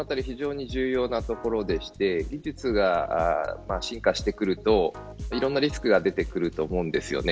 非常に重要なところでして技術が進化してくるといろんなリスクが出てくると思うんですよね。